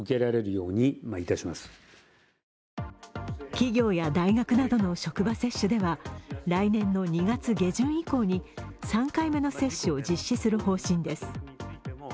企業や大学などの職場接種では来年の２月下旬以降に３回目の接種を実施する方針です。